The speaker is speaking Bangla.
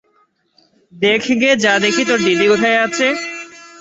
দেখগে যা দেখি তোর দিদি কোথায আছে!